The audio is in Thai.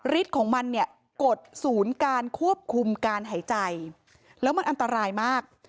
ของมันเนี่ยกดศูนย์การควบคุมการหายใจแล้วมันอันตรายมาก